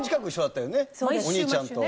お兄ちゃんと。